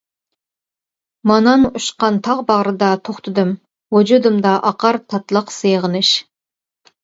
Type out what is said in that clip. مانان ئۇچقان تاغ باغرىدا توختىدىم، ۋۇجۇدۇمدا ئاقار تاتلىق سېغىنىش.